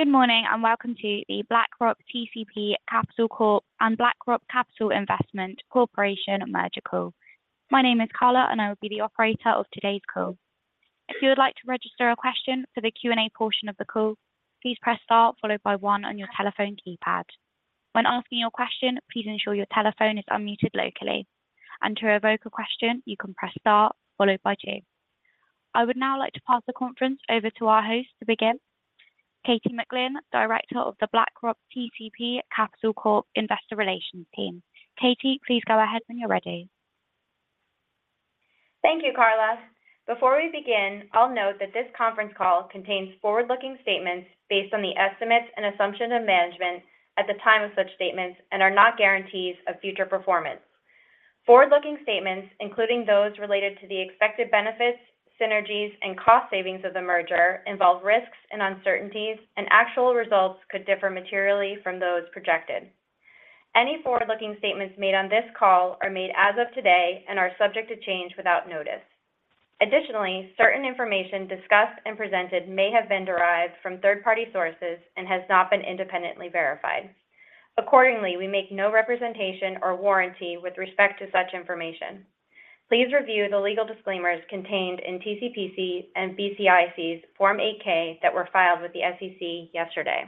Good morning, and welcome to the BlackRock TCP Capital Corp. and BlackRock Capital Investment Corporation Merger Call. My name is Carla, and I will be the operator of today's call. If you would like to register a question for the Q&A portion of the call, please press star followed by one on your telephone keypad. When asking your question, please ensure your telephone is unmuted locally. To revoke a question, you can press star followed by two. I would now like to pass the conference over to our host to begin, Katie McGlynn, Director of the BlackRock TCP Capital Corp Investor Relations team. Katie, please go ahead when you're ready. Thank you, Carla. Before we begin, I'll note that this conference call contains forward-looking statements based on the estimates and assumptions of management at the time of such statements and are not guarantees of future performance. Forward-looking statements, including those related to the expected benefits, synergies, and cost savings of the merger, involve risks and uncertainties, and actual results could differ materially from those projected. Any forward-looking statements made on this call are made as of today and are subject to change without notice. Additionally, certain information discussed and presented may have been derived from third-party sources and has not been independently verified. Accordingly, we make no representation or warranty with respect to such information. Please review the legal disclaimers contained in TCPC and BCIC's Form 8-K that were filed with the SEC yesterday.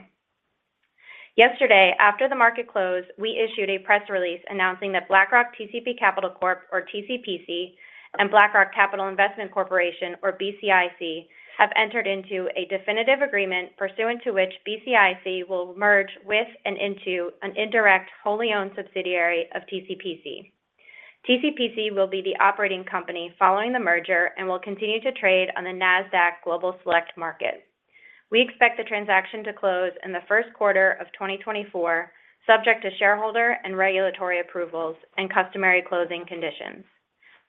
Yesterday, after the market closed, we issued a press release announcing that BlackRock TCP Capital Corp, or TCPC, and BlackRock Capital Investment Corporation, or BCIC, have entered into a definitive agreement pursuant to which BCIC will merge with and into an indirect, wholly-owned subsidiary of TCPC. TCPC will be the operating company following the merger and will continue to trade on the Nasdaq Global Select Market. We expect the transaction to close in the first quarter of 2024, subject to shareholder and regulatory approvals and customary closing conditions.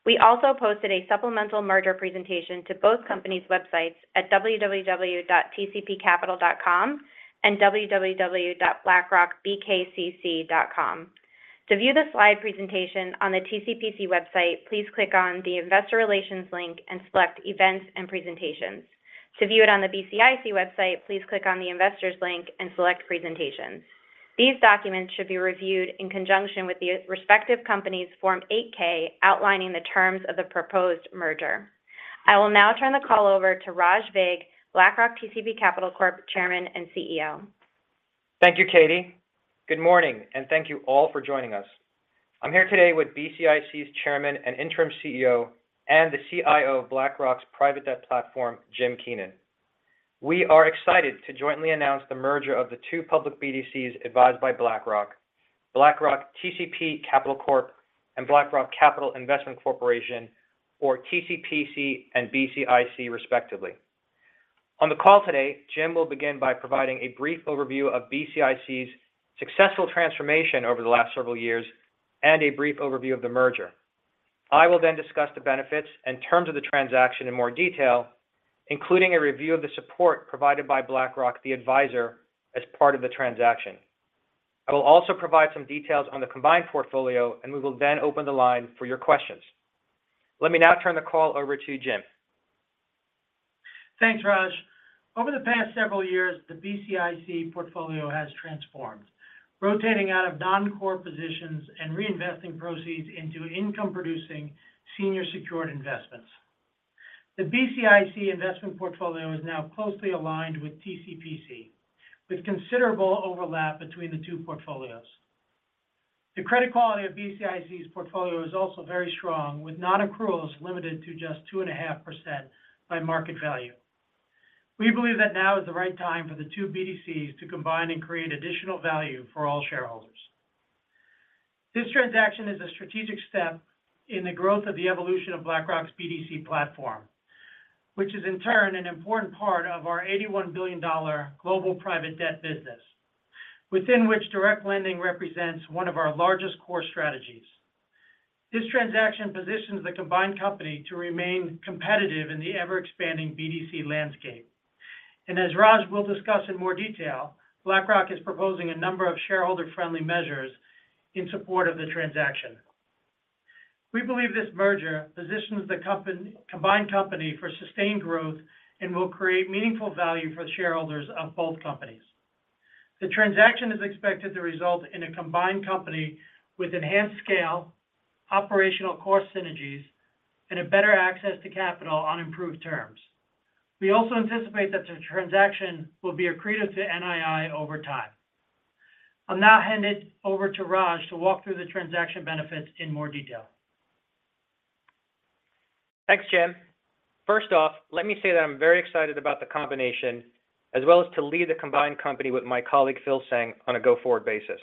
We also posted a supplemental merger presentation to both companies' websites at www.tcpcapital.com and www.blackrockbkcc.com. To view the slide presentation on the TCPC website, please click on the Investor Relations link and select Events and Presentations. To view it on the BCIC website, please click on the Investors link and select Presentations. These documents should be reviewed in conjunction with the respective company's Form 8-K, outlining the terms of the proposed merger. I will now turn the call over to Raj Vig, BlackRock TCP Capital Corp, Chairman and CEO. Thank you, Katie. Good morning, and thank you all for joining us. I'm here today with BCIC's Chairman and Interim CEO and the CIO of BlackRock's private debt platform, Jim Keenan. We are excited to jointly announce the merger of the two public BDCs advised by BlackRock, BlackRock TCP Capital Corp and BlackRock Capital Investment Corporation, or TCPC and BCIC, respectively. On the call today, Jim will begin by providing a brief overview of BCIC's successful transformation over the last several years and a brief overview of the merger. I will then discuss the benefits and terms of the transaction in more detail, including a review of the support provided by BlackRock, the advisor, as part of the transaction. I will also provide some details on the combined portfolio, and we will then open the line for your questions. Let me now turn the call over to Jim. Thanks, Raj. Over the past several years, the BCIC portfolio has transformed, rotating out of non-core positions and reinvesting proceeds into income-producing senior secured investments. The BCIC investment portfolio is now closely aligned with TCPC, with considerable overlap between the two portfolios. The credit quality of BCIC's portfolio is also very strong, with non-accruals limited to just 2.5% by market value. We believe that now is the right time for the two BDCs to combine and create additional value for all shareholders. This transaction is a strategic step in the growth of the evolution of BlackRock's BDC platform, which is in turn an important part of our $81 billion global private debt business, within which direct lending represents one of our largest core strategies. This transaction positions the combined company to remain competitive in the ever-expanding BDC landscape. As Raj will discuss in more detail, BlackRock is proposing a number of shareholder-friendly measures in support of the transaction. We believe this merger positions the combined company for sustained growth and will create meaningful value for the shareholders of both companies. The transaction is expected to result in a combined company with enhanced scale, operational core synergies, and a better access to capital on improved terms. We also anticipate that the transaction will be accretive to NII over time. I'll now hand it over to Raj to walk through the transaction benefits in more detail. Thanks, Jim. First off, let me say that I'm very excited about the combination, as well as to lead the combined company with my colleague, Phil Tsang, on a go-forward basis.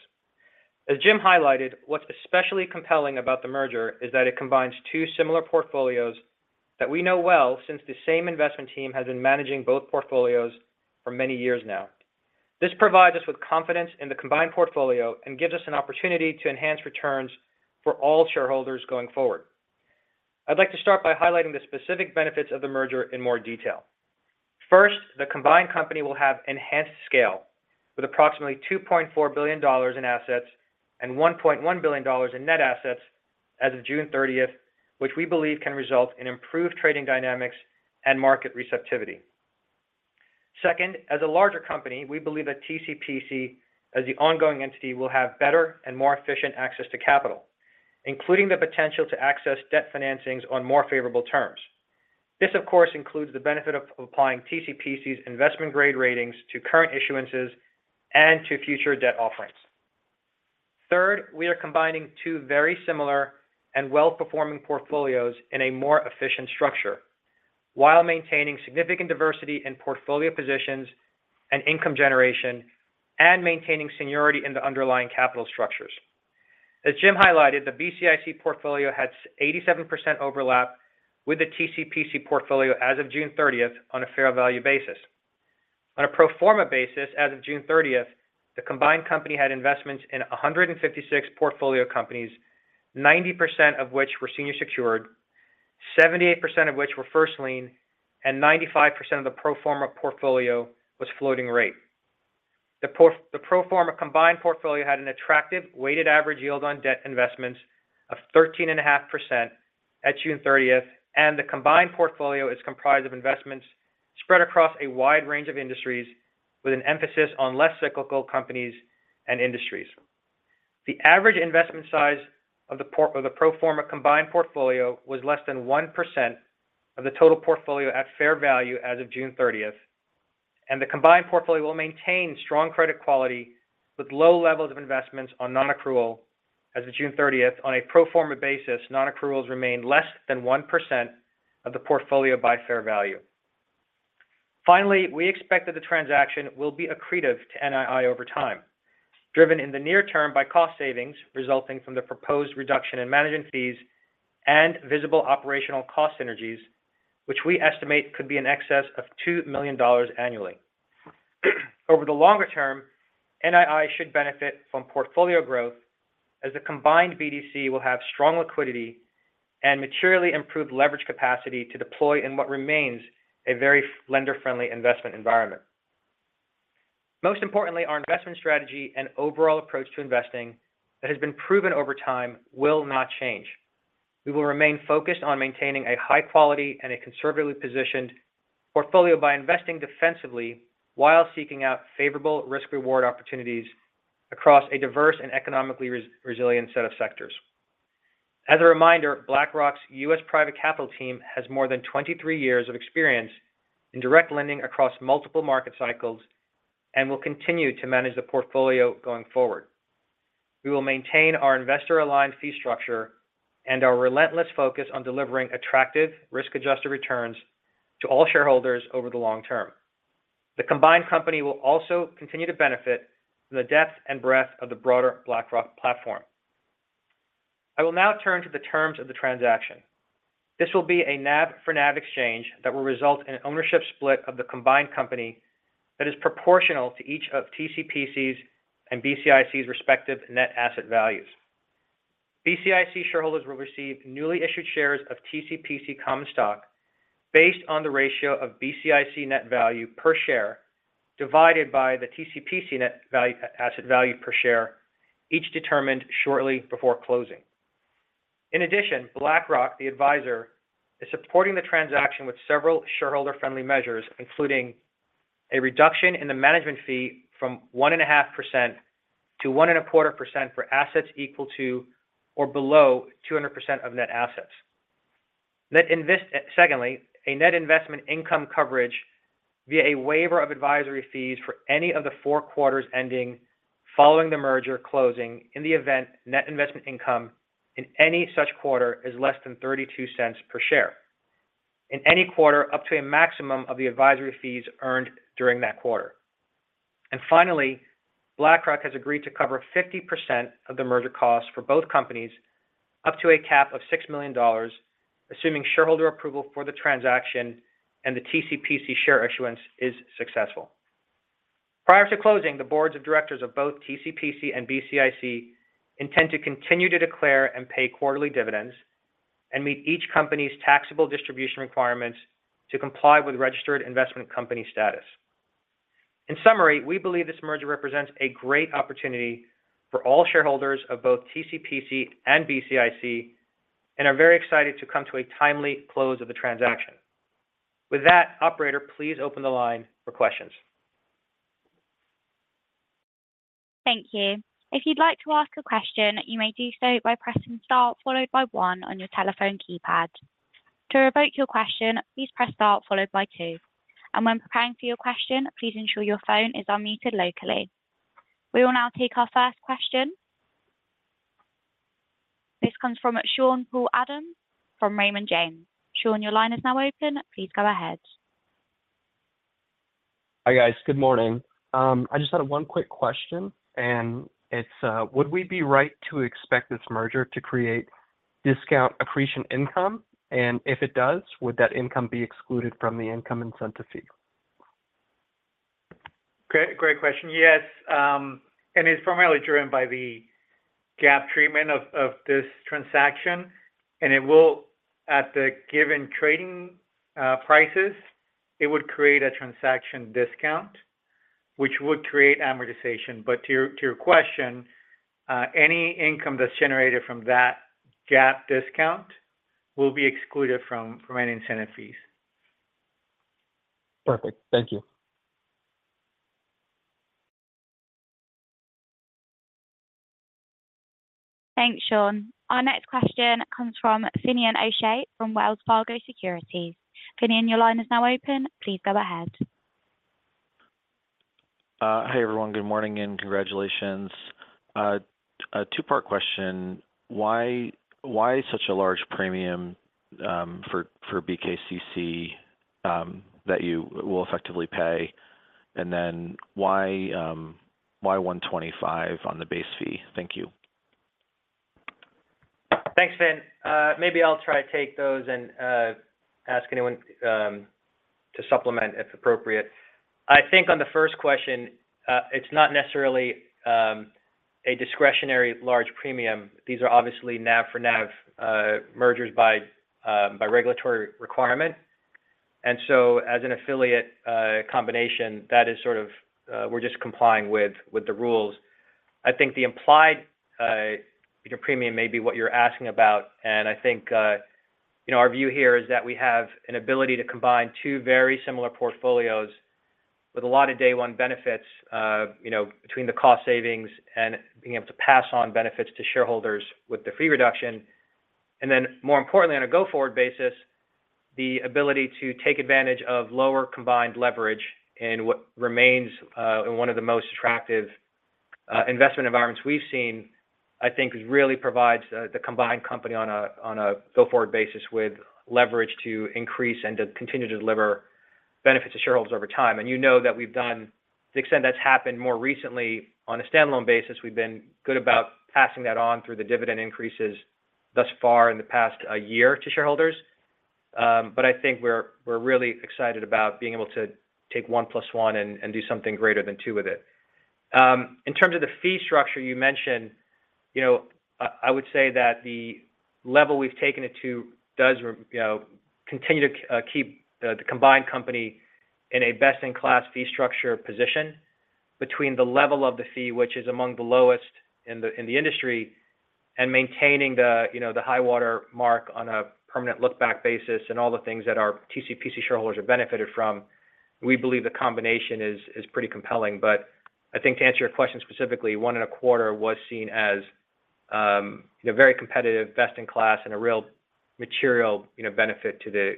As Jim highlighted, what's especially compelling about the merger is that it combines two similar portfolios that we know well since the same investment team has been managing both portfolios for many years now. This provides us with confidence in the combined portfolio and gives us an opportunity to enhance returns for all shareholders going forward. I'd like to start by highlighting the specific benefits of the merger in more detail. First, the combined company will have enhanced scale with approximately $2.4 billion in assets and $1.1 billion in net assets as of June 30, which we believe can result in improved trading dynamics and market receptivity. Second, as a larger company, we believe that TCPC as the ongoing entity, will have better and more efficient access to capital, including the potential to access debt financings on more favorable terms. This, of course, includes the benefit of applying TCPC's investment-grade ratings to current issuances and to future debt offerings. Third, we are combining two very similar and well-performing portfolios in a more efficient structure, while maintaining significant diversity in portfolio positions and income generation, and maintaining seniority in the underlying capital structures. As Jim highlighted, the BCIC portfolio has 87% overlap with the TCPC portfolio as of June 30th on a fair value basis. On a pro forma basis, as of June thirtieth, the combined company had investments in 156 portfolio companies, 90% of which were senior secured, 78% of which were first lien, and 95% of the pro forma portfolio was floating rate. The pro forma combined portfolio had an attractive weighted average yield on debt investments of 13.5% at June thirtieth, and the combined portfolio is comprised of investments spread across a wide range of industries, with an emphasis on less cyclical companies and industries. The average investment size of the pro forma combined portfolio was less than 1% of the total portfolio at fair value as of June thirtieth, and the combined portfolio will maintain strong credit quality with low levels of investments on non-accrual as of June thirtieth. On a pro forma basis, non-accruals remain less than 1% of the portfolio by fair value. Finally, we expect that the transaction will be accretive to NII over time, driven in the near term by cost savings resulting from the proposed reduction in management fees and visible operational cost synergies, which we estimate could be in excess of $2 million annually. Over the longer term, NII should benefit from portfolio growth, as the combined BDC will have strong liquidity and materially improved leverage capacity to deploy in what remains a very lender-friendly investment environment. Most importantly, our investment strategy and overall approach to investing that has been proven over time will not change. We will remain focused on maintaining a high quality and a conservatively positioned portfolio by investing defensively while seeking out favorable risk-reward opportunities across a diverse and economically resilient set of sectors. As a reminder, BlackRock's U.S. private capital team has more than 23 years of experience in direct lending across multiple market cycles and will continue to manage the portfolio going forward. We will maintain our investor-aligned fee structure and our relentless focus on delivering attractive risk-adjusted returns to all shareholders over the long term. The combined company will also continue to benefit from the depth and breadth of the broader BlackRock platform. I will now turn to the terms of the transaction. This will be a NAV for NAV exchange that will result in an ownership split of the combined company that is proportional to each of TCPC's and BCIC's respective net asset values. BCIC shareholders will receive newly issued shares of TCPC common stock based on the ratio of BCIC net asset value per share, divided by the TCPC net asset value per share, each determined shortly before closing. In addition, BlackRock, the advisor, is supporting the transaction with several shareholder-friendly measures, including a reduction in the management fee from 1.5% to 1.25% for assets equal to or below 200% of net assets. Secondly, a net investment income coverage via a waiver of advisory fees for any of the four quarters ending following the merger closing in the event net investment income in any such quarter is less than $0.32 per share. In any quarter, up to a maximum of the advisory fees earned during that quarter. And finally, BlackRock has agreed to cover 50% of the merger costs for both companies, up to a cap of $6 million, assuming shareholder approval for the transaction and the TCPC share issuance is successful. Prior to closing, the boards of directors of both TCPC and BCIC intend to continue to declare and pay quarterly dividends, and meet each company's taxable distribution requirements to comply with registered investment company status. In summary, we believe this merger represents a great opportunity for all shareholders of both TCPC and BCIC, and are very excited to come to a timely close of the transaction. With that, operator, please open the line for questions. Thank you. If you'd like to ask a question, you may do so by pressing star followed by one on your telephone keypad. To revoke your question, please press star followed by two. When preparing for your question, please ensure your phone is unmuted locally. We will now take our first question. This comes from Sean-Paul Adams from Raymond James. Sean, your line is now open. Please go ahead. Hi, guys. Good morning. I just had one quick question, and it's would we be right to expect this merger to create discount accretion income? And if it does, would that income be excluded from the income incentive fee? Great, great question. Yes, and it's primarily driven by the GAAP treatment of this transaction, and it will, at the given trading prices, it would create a transaction discount, which would create amortization. But to your question, any income that's generated from that GAAP discount will be excluded from any incentive fees. Perfect. Thank you. Thanks, Sean. Our next question comes from Finian O'Shea from Wells Fargo Securities. Finian, your line is now open. Please go ahead. Hi, everyone. Good morning, and congratulations. A two-part question: why such a large premium for BKCC that you will effectively pay? And then why 125 on the base fee? Thank you. Thanks, Finn. Maybe I'll try to take those and ask anyone to supplement, if appropriate. I think on the first question, it's not necessarily a discretionary large premium. These are obviously NAV for NAV mergers by regulatory requirement. And so as an affiliate combination, that is sort of we're just complying with, with the rules. I think the implied you know premium may be what you're asking about. And I think you know our view here is that we have an ability to combine two very similar portfolios with a lot of day-one benefits you know between the cost savings and being able to pass on benefits to shareholders with the fee reduction. And then, more importantly, on a go-forward basis, the ability to take advantage of lower combined leverage in what remains in one of the most attractive investment environments we've seen, I think really provides the combined company on a go-forward basis with leverage to increase and to continue to deliver benefits to shareholders over time. And you know that we've done to the extent that's happened more recently on a standalone basis, we've been good about passing that on through the dividend increases thus far in the past year to shareholders. But I think we're really excited about being able to take one plus one and do something greater than two with it. In terms of the fee structure you mentioned, you know, I would say that the level we've taken it to does, you know, continue to keep the combined company in a best-in-class fee structure position. Between the level of the fee, which is among the lowest in the industry, and maintaining, you know, the high water mark on a permanent look-back basis and all the things that our TCPC shareholders have benefited from, we believe the combination is pretty compelling. But I think to answer your question specifically, 1.25 was seen as, you know, very competitive, best in class, and a real material, you know, benefit to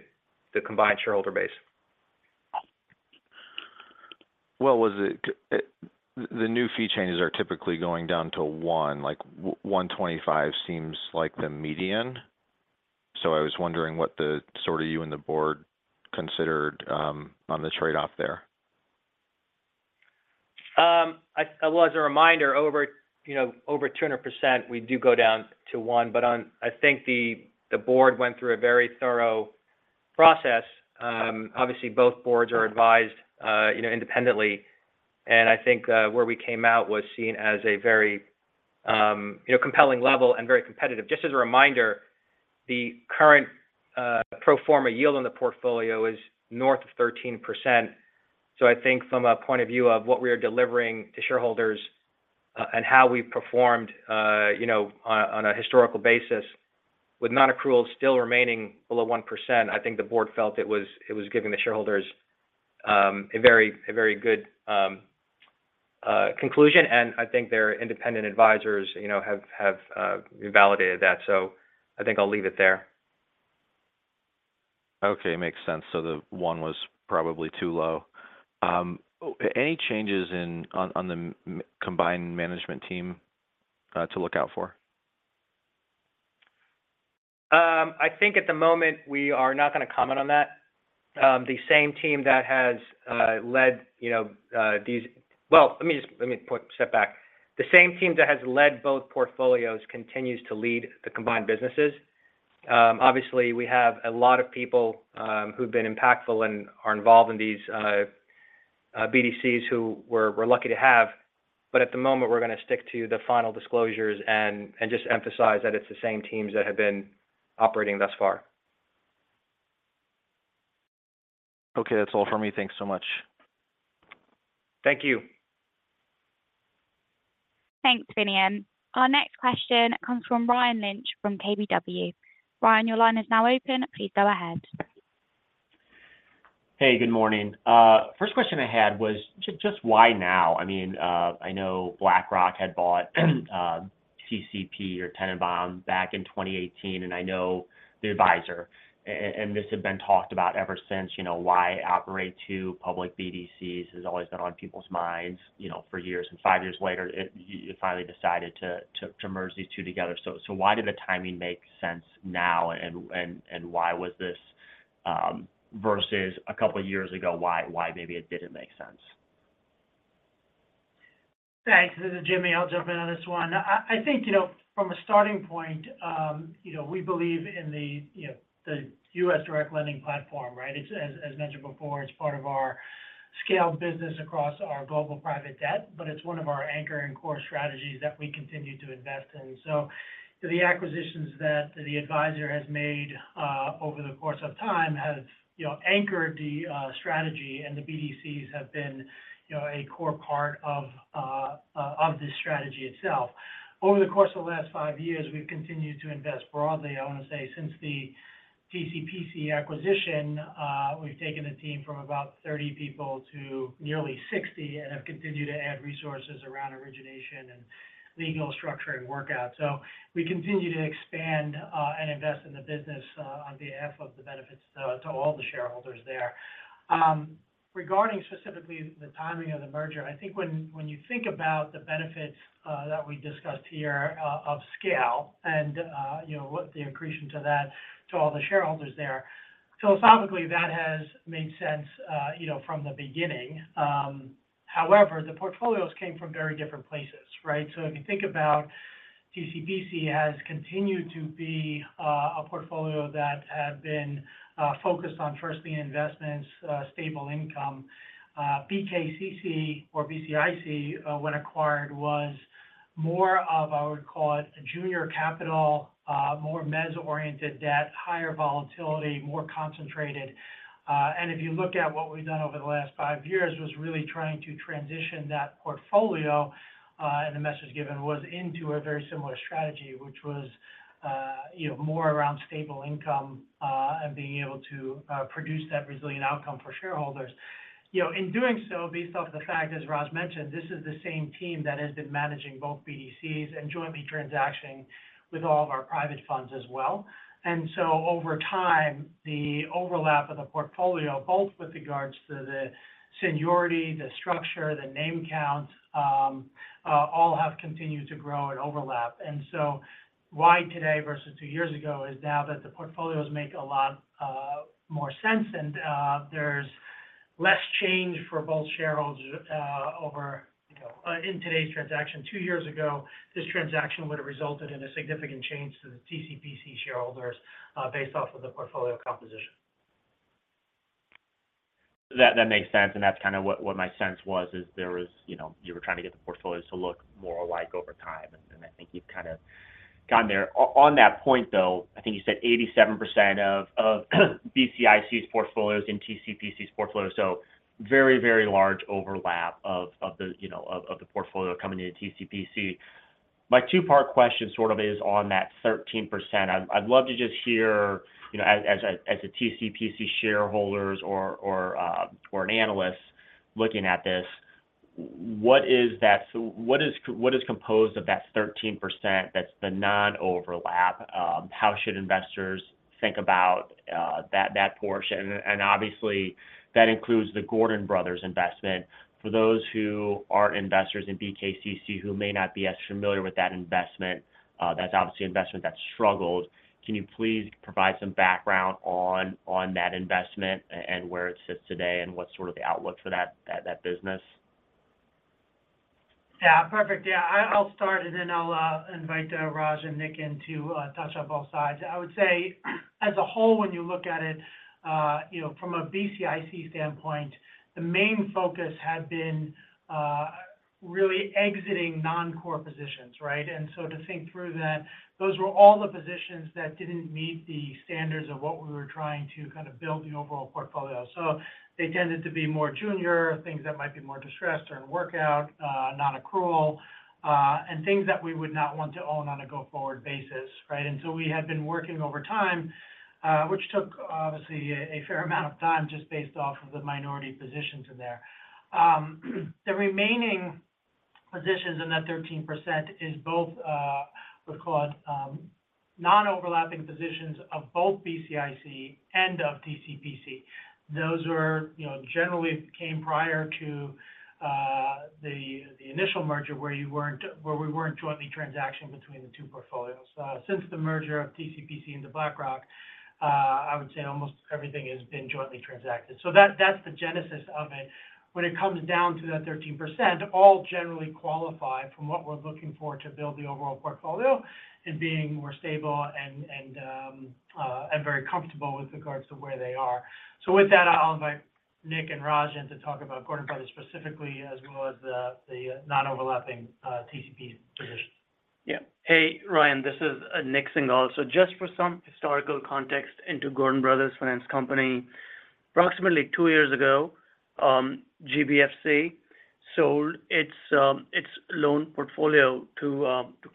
the combined shareholder base. Well, was it the new fee changes are typically going down to 1, like 125 seems like the median. So I was wondering what sort of you and the board considered on the trade-off there. Well, as a reminder, over, you know, over 200%, we do go down to one. But on, I think the board went through a very thorough process. Obviously, both boards are advised, you know, independently, and I think, where we came out was seen as a very, you know, compelling level and very competitive. Just as a reminder, the current pro forma yield on the portfolio is north of 13%. So I think from a point of view of what we are delivering to shareholders, and how we've performed, you know, on a historical basis with non-accrual still remaining below 1%, I think the board felt it was giving the shareholders a very good conclusion, and I think their independent advisors, you know, have validated that. So I think I'll leave it there. Okay. Makes sense. So the one was probably too low. Any changes on the combined management team to look out for? I think at the moment we are not going to comment on that. The same team that has led, you know, both portfolios continues to lead the combined businesses. Obviously, we have a lot of people who've been impactful and are involved in these BDCs who we're lucky to have, but at the moment, we're going to stick to the final disclosures and just emphasize that it's the same teams that have been operating thus far. Okay. That's all for me. Thanks so much. Thank you. Thanks, Finian. Our next question comes from Ryan Lynch from KBW. Ryan, your line is now open. Please go ahead. Hey, good morning. First question I had was just why now? I mean, I know BlackRock had bought TCPC or Tennenbaum back in 2018, and I know the advisor, and this had been talked about ever since, you know, why operate two public BDCs has always been on people's minds, you know, for years. And five years later, you finally decided to merge these two together. So why did the timing make sense now? And why was this versus a couple of years ago, why maybe it didn't make sense? Thanks. This is Jimmy. I'll jump in on this one. I think, you know, from a starting point, you know, we believe in, you know, the U.S. direct lending platform, right? It's as mentioned before, it's part of our scaled business across our global private debt, but it's one of our anchor and core strategies that we continue to invest in. So the acquisitions that the advisor has made, over the course of time has, you know, anchored the, strategy, and the BDCs have been, you know, a core part of, of this strategy itself. Over the course of the last five years, we've continued to invest broadly. I want to say, since the TCPC acquisition, we've taken the team from about 30 people to nearly 60 and have continued to add resources around origination and legal structure and workout. So we continue to expand, and invest in the business, on behalf of the benefits, to all the shareholders there. Regarding specifically the timing of the merger, I think when, when you think about the benefits that we discussed here of scale and, you know, what the accretion to that to all the shareholders there, philosophically, that has made sense, you know, from the beginning. However, the portfolios came from very different places, right? So if you think about TCPC has continued to be a portfolio that had been focused on first-lien investments, stable income. BKCC or BCIC, when acquired, was more of, I would call it, a junior capital, more mezz oriented debt, higher volatility, more concentrated. And if you look at what we've done over the last five years, was really trying to transition that portfolio, and the message given was into a very similar strategy, which was, you know, more around stable income, and being able to produce that resilient outcome for shareholders. You know, in doing so, based off the fact, as Raj mentioned, this is the same team that has been managing both BDCs and jointly transactioning with all of our private funds as well. And so over time, the overlap of the portfolio, both with regards to the seniority, the structure, the name count, all have continued to grow and overlap. So why today versus two years ago is now that the portfolios make a lot more sense and there's less change for both shareholders over you know in today's transaction. Two years ago, this transaction would have resulted in a significant change to the TCPC shareholders based off of the portfolio composition. That, that makes sense, and that's kind of what, what my sense was, is there was—you know, you were trying to get the portfolios to look more alike over time, and, and I think you've kind of gotten there. On that point, though, I think you said 87% of BCIC's portfolio in TCPC's portfolio. So very, very large overlap of the portfolio coming into TCPC. My two-part question sort of is on that 13%. I'd love to just hear, you know, as a TCPC shareholder or an analyst looking at this, what is that—so what is composed of that 13%, that's the non-overlap? How should investors think about that portion? And obviously, that includes the Gordon Brothers investment. For those who are investors in BKCC, who may not be as familiar with that investment, that's obviously an investment that struggled. Can you please provide some background on that investment and where it sits today, and what's sort of the outlook for that business? Yeah. Perfect. Yeah, I'll start, and then I'll invite Raj and Nik in to touch on both sides. I would say, as a whole, when you look at it, you know, from a BCIC standpoint, the main focus had been really exiting non-core positions, right? And so to think through that, those were all the positions that didn't meet the standards of what we were trying to kind of build the overall portfolio. So they tended to be more junior, things that might be more distressed or in workout, non-accrual, and things that we would not want to own on a go-forward basis, right? And so we had been working over time, which took, obviously, a fair amount of time just based off of the minority positions in there. The remaining positions in that 13% is both, what I call it, non-overlapping positions of both BCIC and of TCPC. Those were, you know, generally came prior to the initial merger, where you weren't-- where we weren't jointly transacting between the two portfolios. Since the merger of TCPC into BlackRock, I would say almost everything has been jointly transacted. So that, that's the genesis of it. When it comes down to that 13%, all generally qualify from what we're looking for to build the overall portfolio in being more stable and, and, and very comfortable with regards to where they are. So with that, I'll invite Nik and Raj in to talk about Gordon Brothers specifically, as well as the non-overlapping TCP positions. Yeah. Hey, Ryan, this is Nik Singhal. Just for some historical context into Gordon Brothers Finance Company, approximately two years ago, GBFC sold its loan portfolio to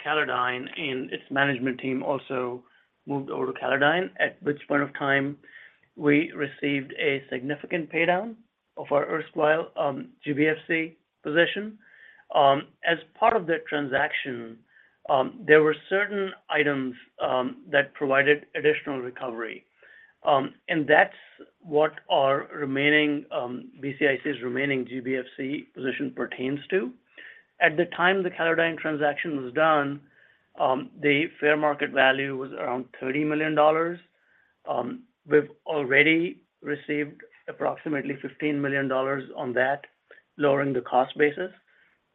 Callodine, and its management team also moved over to Callodine, at which point we received a significant paydown of our erstwhile GBFC position. As part of that transaction, there were certain items that provided additional recovery, and that's what our remaining BCIC's remaining GBFC position pertains to. At the time the Callodine transaction was done, the fair market value was around $30 million. We've already received approximately $15 million on that, lowering the cost basis.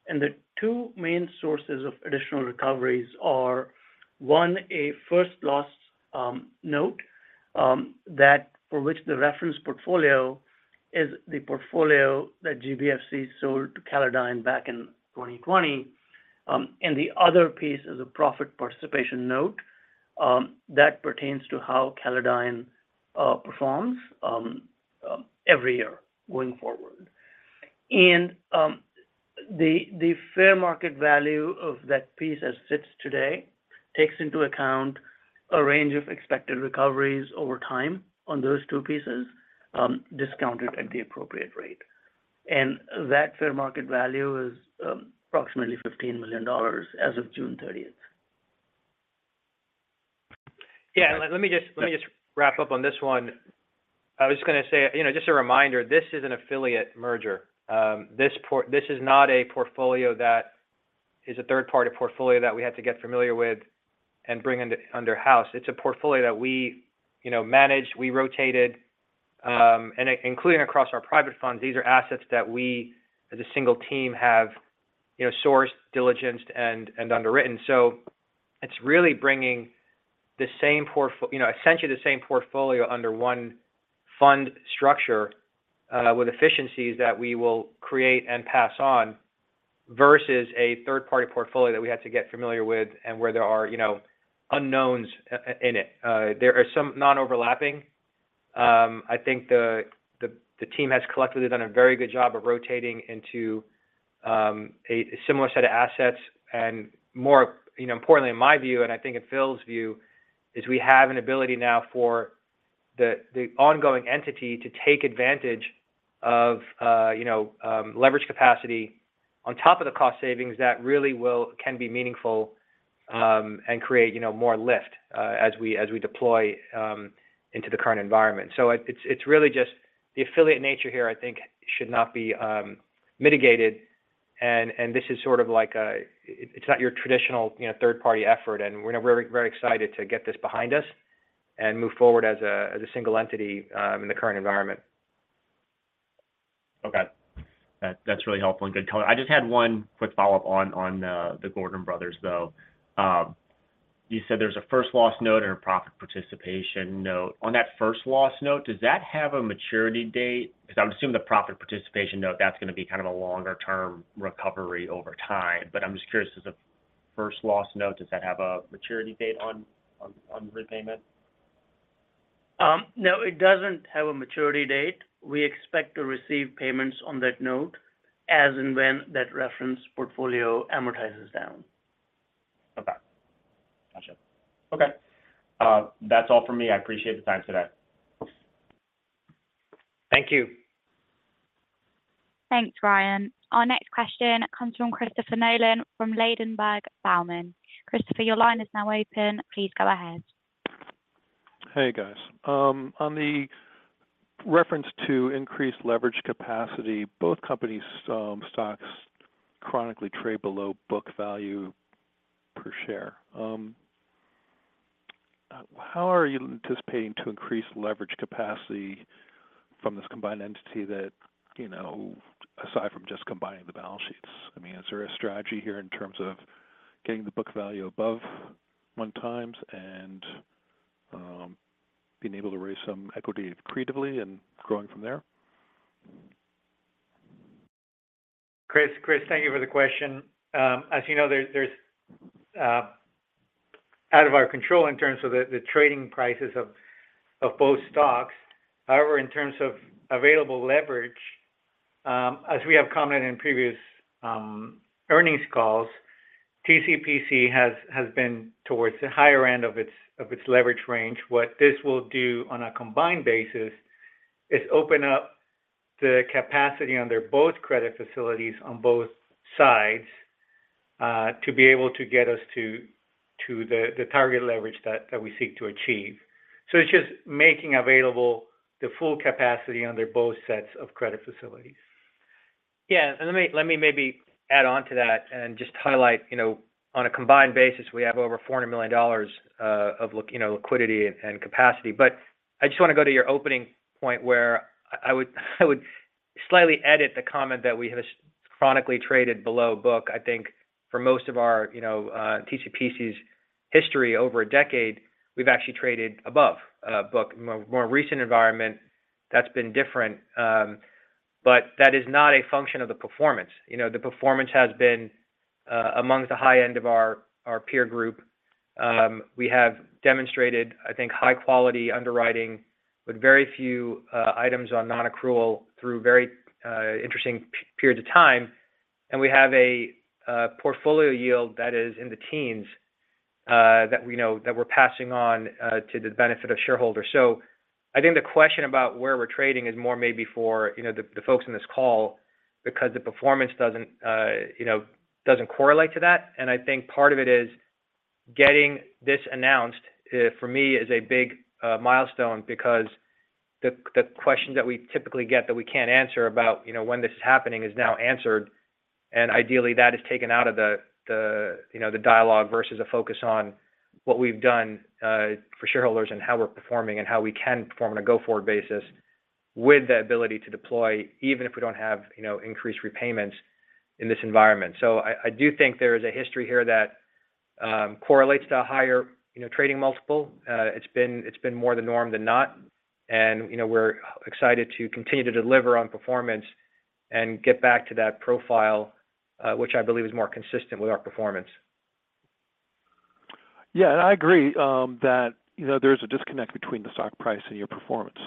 And the two main sources of additional recoveries are, one, a first loss note that for which the reference portfolio is the portfolio that GBFC sold to Callodine back in 2020. And the other piece is a profit participation note that pertains to how Callodine performs every year going forward. And the fair market value of that piece as sits today takes into account a range of expected recoveries over time on those two pieces discounted at the appropriate rate. And that fair market value is approximately $15 million as of June 30th. Yeah, let me just, let me just wrap up on this one. I was just gonna say, you know, just a reminder, this is an affiliate merger. This is not a portfolio that is a third-party portfolio that we had to get familiar with and bring under house. It's a portfolio that we, you know, managed, we rotated, and including across our private funds, these are assets that we, as a single team, have, you know, sourced, diligenced, and underwritten. So it's really bringing the same portfolio, you know, essentially the same portfolio under one fund structure with efficiencies that we will create and pass on, versus a third-party portfolio that we had to get familiar with and where there are, you know, unknowns in it. There are some non-overlapping. I think the team has collectively done a very good job of rotating into a similar set of assets. And more, you know, importantly, in my view, and I think in Phil's view, is we have an ability now for the ongoing entity to take advantage of, you know, leverage capacity on top of the cost savings that really can be meaningful, and create, you know, more lift, as we deploy into the current environment. So it's really just the affiliate nature here, I think, should not be mitigated. And this is sort of like a—it's not your traditional, you know, third-party effort, and we're very, very excited to get this behind us and move forward as a single entity in the current environment. Okay. That's really helpful and good color. I just had one quick follow-up on the Gordon Brothers, though. You said there's a first loss note and a profit participation note. On that first loss note, does that have a maturity date? Because I'm assuming the profit participation note, that's gonna be kind of a longer-term recovery over time. But I'm just curious, does the first loss note have a maturity date on repayment? No, it doesn't have a maturity date. We expect to receive payments on that note as and when that reference portfolio amortizes down. Okay. Gotcha. Okay. That's all from me. I appreciate the time today. Thank you. Thanks, Ryan. Our next question comes from Christopher Nolan from Ladenburg Thalmann. Christopher, your line is now open. Please go ahead. Hey, guys. On the reference to increased leverage capacity, both companies, stocks chronically trade below book value per share. How are you anticipating to increase leverage capacity from this combined entity that, you know, aside from just combining the balance sheets? I mean, is there a strategy here in terms of getting the book value above 1x and, being able to raise some equity creatively and growing from there? Chris, Chris, thank you for the question. As you know, there's, there's out of our control in terms of the, the trading prices of, of both stocks. However, in terms of available leverage, as we have commented in previous, earnings calls, TCPC has, has been towards the higher end of its, of its leverage range. What this will do on a combined basis is open up the capacity under both credit facilities on both sides, to be able to get us to, to the, the target leverage that, that we seek to achieve. So it's just making available the full capacity under both sets of credit facilities. Yeah, and let me, let me maybe add on to that and just highlight, you know, on a combined basis, we have over $400 million of liquidity and capacity. But I just wanna go to your opening point where I, I would, I would slightly edit the comment that we have chronically traded below book. I think for most of our, you know, TCPC's history over a decade, we've actually traded above book. More recent environment, that's been different, but that is not a function of the performance. You know, the performance has been amongst the high end of our peer group. We have demonstrated, I think, high quality underwriting with very few items on non-accrual through very interesting periods of time. And we have a portfolio yield that is in the teens that we know that we're passing on to the benefit of shareholders. So I think the question about where we're trading is more maybe for, you know, the folks on this call because the performance doesn't, you know, doesn't correlate to that. And I think part of it is getting this announced for me is a big milestone because the questions that we typically get that we can't answer about, you know, when this is happening, is now answered. Ideally, that is taken out of the you know, the dialogue versus a focus on what we've done for shareholders and how we're performing and how we can perform on a go-forward basis with the ability to deploy, even if we don't have, you know, increased repayments in this environment. So I do think there is a history here that correlates to a higher, you know, trading multiple. It's been more the norm than not, and, you know, we're excited to continue to deliver on performance and get back to that profile, which I believe is more consistent with our performance. Yeah, and I agree, that, you know, there's a disconnect between the stock price and your performance.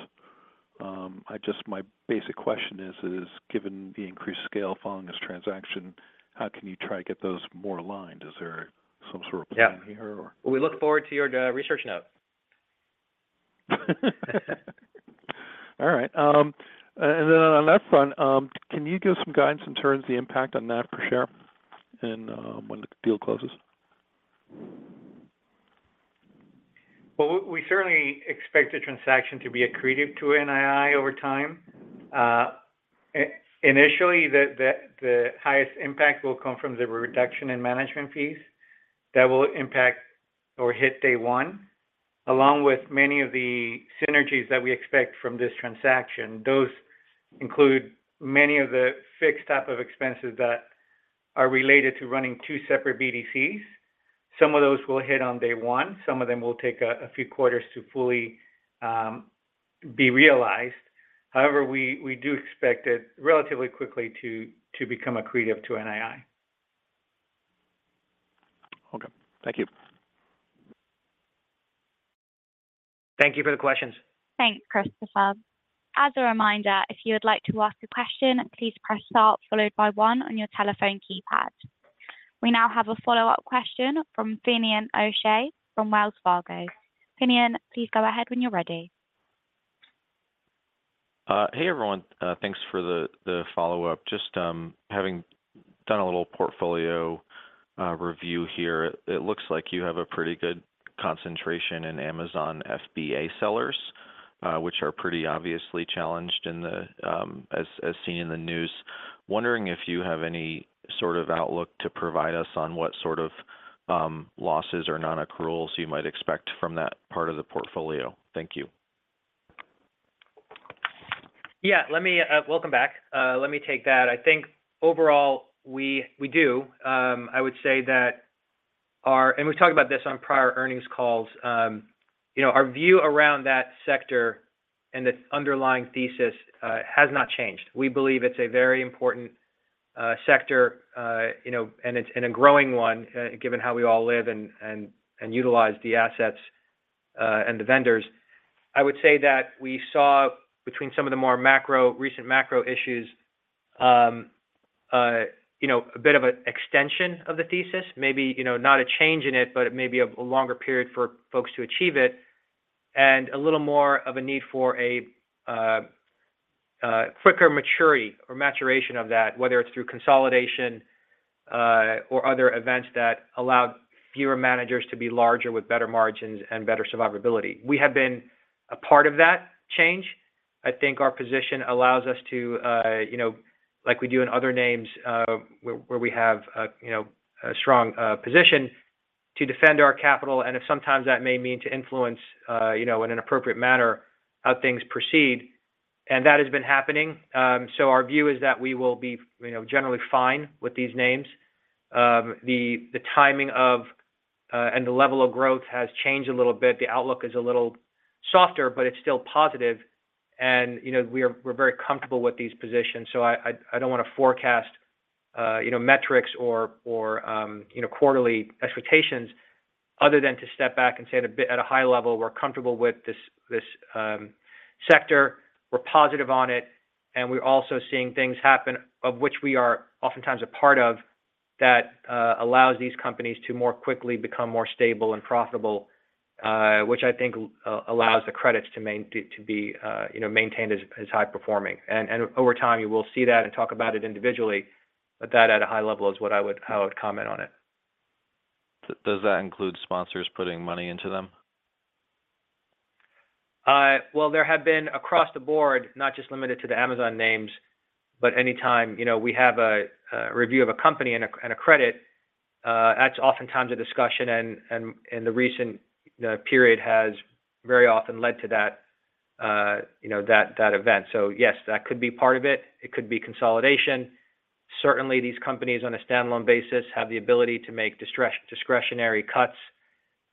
My basic question is, given the increased scale following this transaction, how can you try to get those more aligned? Is there some sort of plan here or? Yeah. We look forward to your research note. All right. And then on that front, can you give some guidance in terms of the impact on that per share and, when the deal closes? Well, we certainly expect the transaction to be accretive to NII over time. Initially, the highest impact will come from the reduction in management fees. That will impact or hit day one, along with many of the synergies that we expect from this transaction. Those include many of the fixed type of expenses that are related to running two separate BDCs. Some of those will hit on day one. Some of them will take a few quarters to fully be realized. However, we do expect it relatively quickly to become accretive to NII. Okay. Thank you. Thank you for the questions. Thanks, Christopher. As a reminder, if you would like to ask a question, please press star followed by one on your telephone keypad. We now have a follow-up question from Finian O'Shea from Wells Fargo. Finian, please go ahead when you're ready. Hey, everyone. Thanks for the follow-up. Just having done a little portfolio review here, it looks like you have a pretty good concentration in Amazon FBA sellers, which are pretty obviously challenged in the as seen in the news. Wondering if you have any sort of outlook to provide us on what sort of losses or non-accruals you might expect from that part of the portfolio. Thank you. Yeah, let me. Welcome back. Let me take that. I think overall, we do. I would say that our -- we've talked about this on prior earnings calls. You know, our view around that sector and the underlying thesis has not changed. We believe it's a very important sector, you know, and it's and a growing one, given how we all live and utilize the assets and the vendors. I would say that we saw between some of the more macro, recent macro issues, you know, a bit of an extension of the thesis, maybe, you know, not a change in it, but it may be a longer period for folks to achieve it, and a little more of a need for a quicker maturity or maturation of that, whether it's through consolidation or other events that allow fewer managers to be larger with better margins and better survivability. We have been a part of that change. I think our position allows us to, you know, like we do in other names, where we have you know, a strong position to defend our capital. And if sometimes that may mean to influence, you know, in an appropriate manner, how things proceed, and that has been happening. So our view is that we will be, you know, generally fine with these names. The timing and the level of growth has changed a little bit. The outlook is a little softer, but it's still positive and, you know, we're very comfortable with these positions, so I don't want to forecast, you know, metrics or, you know, quarterly expectations other than to step back and say at a high level, we're comfortable with this sector. We're positive on it, and we're also seeing things happen, of which we are oftentimes a part of, that allows these companies to more quickly become more stable and profitable, which I think allows the credits to be, you know, maintained as high performing. Over time, you will see that and talk about it individually, but that at a high level is what I would—how I would comment on it. Does that include sponsors putting money into them? Well, there have been across the board, not just limited to the Amazon names, but anytime, you know, we have a review of a company and a credit, that's oftentimes a discussion, and the recent period has very often led to that, you know, that event. So yes, that could be part of it. It could be consolidation. Certainly, these companies, on a standalone basis, have the ability to make discretionary cuts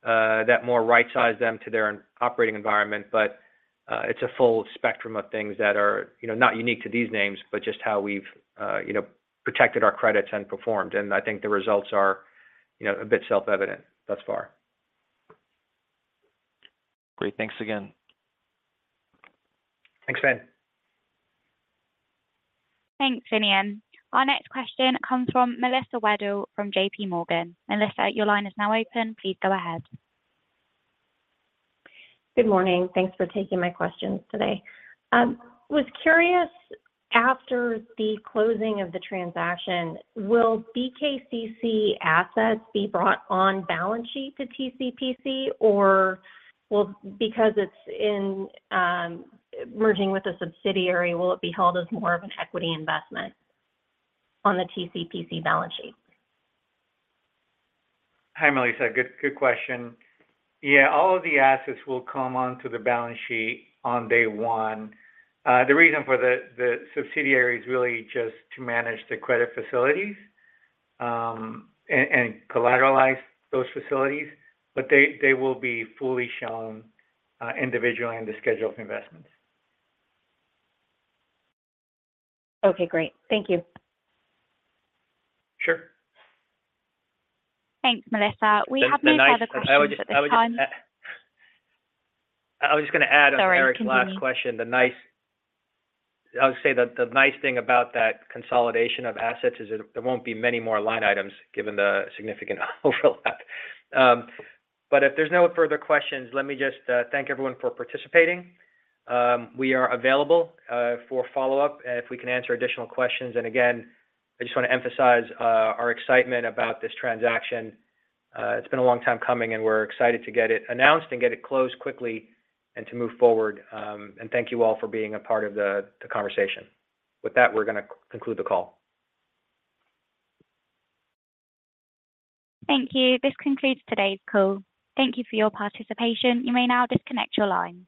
that more rightsize them to their own operating environment. But it's a full spectrum of things that are, you know, not unique to these names, but just how we've, you know, protected our credits and performed, and I think the results are, you know, a bit self-evident thus far. Great. Thanks again. Thanks, Fin. Thanks, Finian. Our next question comes from Melissa Wedel from J.P. Morgan. Melissa, your line is now open. Please go ahead. Good morning. Thanks for taking my questions today. Was curious, after the closing of the transaction, will BKCC assets be brought on balance sheet to TCPC, or will... Because it's in, merging with a subsidiary, will it be held as more of an equity investment on the TCPC balance sheet? Hi, Melissa. Good, good question. Yeah, all of the assets will come onto the balance sheet on day one. The reason for the subsidiary is really just to manage the credit facilities and collateralize those facilities, but they will be fully shown individually in the schedule of investments. Okay, great. Thank you. Sure. Thanks, Melissa. We have no other questions at this time. I was just gonna add- Sorry, continue On Eric's last question. I would say that the nice thing about that consolidation of assets is that there won't be many more line items, given the significant overlap. But if there's no further questions, let me just thank everyone for participating. We are available for follow-up if we can answer additional questions. And again, I just want to emphasize our excitement about this transaction. It's been a long time coming, and we're excited to get it announced and get it closed quickly and to move forward. And thank you all for being a part of the conversation. With that, we're gonna conclude the call. Thank you. This concludes today's call. Thank you for your participation. You may now disconnect your line.